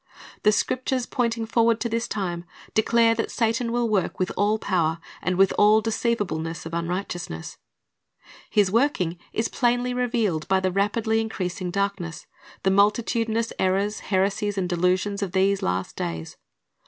The Scriptures pointing forward to this time declare that Satan will work with all power and "with all deceivableness of unrighteousness."^ His working is plainly revealed by the rapidly increasing darkness, the multitudinous errors, heresies, and delusions of these last days.